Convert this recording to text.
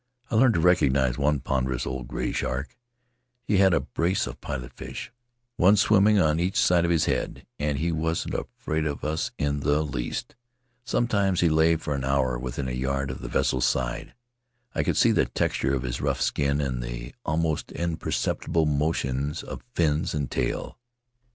I learned to recognize one ponderous old gray shark; he had a brace of pilot fish, one swimming on each side of his head — and he wasn't afraid of us in the least. Sometimes he lay for an hour within a yard of the vessel's side; I could see the tex ture of his rough skin and the almost imperceptible mo tion of fins and tail.